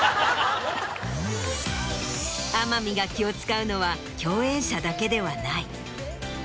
天海が気を使うのは共演者だけではない。